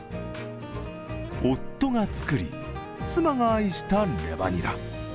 夫が作り、妻が愛したレバニラ。